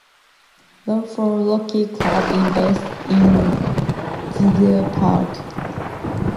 Romford Hockey Club is based in Gidea Park.